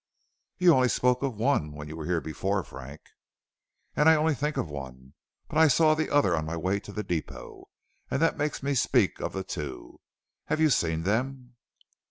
"You only spoke of one when you were here before, Frank." "And I only think of one. But I saw the other on my way to the depot, and that made me speak of the two. Have you seen them?"